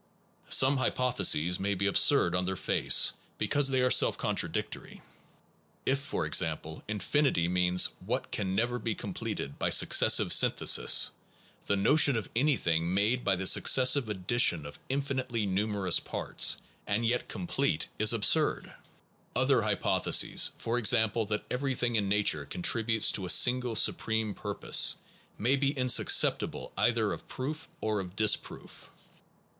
Some hypotheses may be absurd on their face, because they are self contradictory. If, for example, infinity means what can never be completed by successive syntheses, the notion of anything made by the successive addition of infinitely numerous parts, and yet completed, is absurd. Other hypotheses, for example that everything in nature contributes to a single supreme purpose, may be insuscep tible either of proof or of disproof.